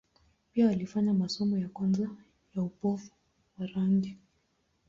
Pia alifanya masomo ya kwanza ya upofu wa rangi.